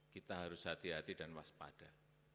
kita harus hati hati dan waspada